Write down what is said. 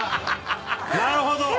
なるほど！